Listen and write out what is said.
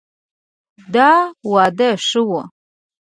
دا واده ښه ؤ